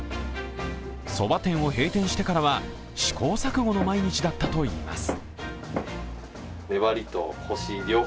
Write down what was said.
そば店を閉店してからは、試行錯誤の毎日だったといいます。